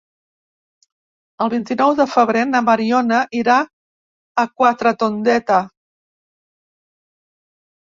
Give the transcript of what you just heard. El vint-i-nou de febrer na Mariona irà a Quatretondeta.